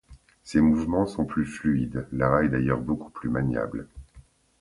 Ses mouvements sont plus fluides, Lara est d'ailleurs beaucoup plus maniable.